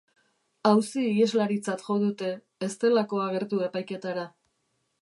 Auzi-iheslaritzat jo dute, ez delako agertu epaiketara.